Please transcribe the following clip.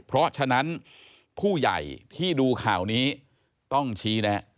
เพราะฉะนั้นผู้ใหญ่ที่ดูข่าวนี้ต้องชี้แนะ